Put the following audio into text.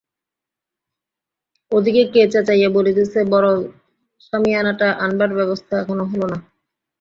ওদিকে কে চেঁচাইয়া বলিতেছে-বড় সামিয়ানাটা আনবার ব্যবস্থা এখনও হল না?